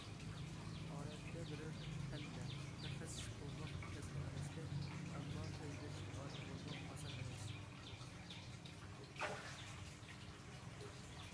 ئادەتتە، بىرەر پەندە، مۇتەخەسسىس بولماق تەسمۇ ئەمەستەك، ئەمما پەزىلەتلىك ئالىم بولماق ئاسان ئەمەس.